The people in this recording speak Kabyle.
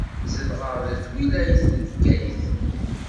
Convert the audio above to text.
Zedɣeɣ deg twilayt n Bgayet.